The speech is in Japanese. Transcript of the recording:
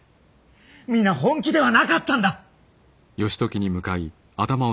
皆本気ではなかったんだ。